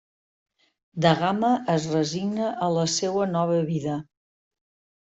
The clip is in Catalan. Da Gama es resigna a la seua nova vida.